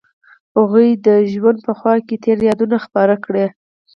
هغوی د ژوند په خوا کې تیرو یادونو خبرې کړې.